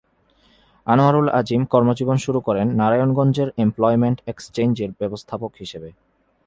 আনোয়ারুল আজিম কর্মজীবন শুরু করেন নারায়ণগঞ্জের এমপ্লয়মেন্ট এক্সচেঞ্জের ব্যবস্থাপক হিসেবে।